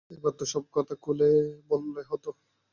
এইবার তো সব কথা খুলে বললেই হত।